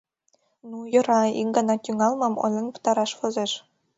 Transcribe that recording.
Ну, йӧра, ик гана тӱҥалмым ойлен пытараш возеш.